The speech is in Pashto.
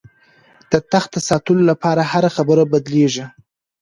د تخت د ساتلو لپاره هره خبره بدلېږي.